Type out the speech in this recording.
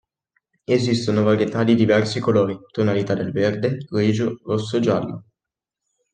Esistono varietà di diversi colori: tonalità del verde, grigio, rosso e giallo.